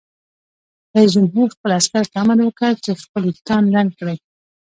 رئیس جمهور خپلو عسکرو ته امر وکړ؛ خپل ویښتان لنډ کړئ!